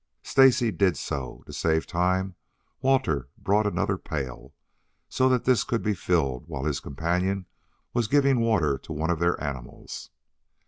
Stacy did so. To save time, Walter brought another pail, so that this could be filled while his companion was giving the water to one of their animals.